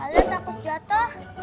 ada takut jatuh